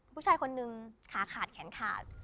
ผู้ชายคนนึงขาขาดแขนขาด